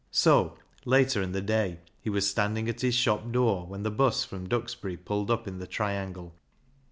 So, later in the day, he was standing at his shop door when the 'bus from Duxbury pulled up in the triangle.